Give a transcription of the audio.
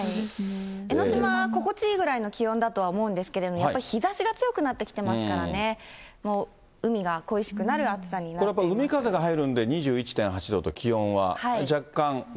江の島、心地いいぐらいの気温だとは思うんですけれども、やっぱり日ざしが強くなってきていますからね、もう、海が恋しくなこれやっぱり、海風が入るんで２１．８度と、そうですね、海に近い。